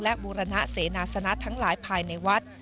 และบูรณะเสนาสนะทั้งหลายภายในวัด